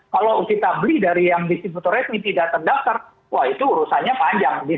kalau kita beli dari yang disimpulkan kita bisa mengesan email itu ke situsnya kppr bahwa pasukan emailnya oh email ini sudah terdaftar